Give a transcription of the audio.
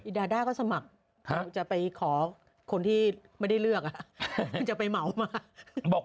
ดาด้าก็สมัครจะไปขอคนที่ไม่ได้เลือกที่จะไปเหมามาบอก